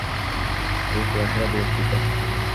এই কুয়াশাটা বিরক্তিকর।